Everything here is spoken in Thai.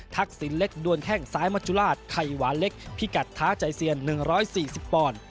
สินเล็กดวนแข้งซ้ายมัจจุราชไข่หวานเล็กพิกัดท้าใจเซียน๑๔๐ปอนด์